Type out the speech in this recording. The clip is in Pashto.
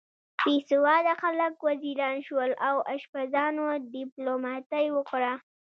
بې سواده خلک وزیران شول او اشپزانو دیپلوماتۍ وکړه.